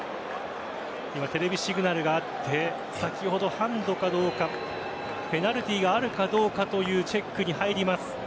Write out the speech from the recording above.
今、テレビシグナルがあって先ほど、ハンドかどうかペナルティーがあるかどうかというチェックに入ります。